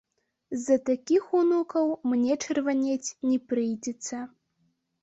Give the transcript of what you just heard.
З-за такіх унукаў мне чырванець не прыйдзецца.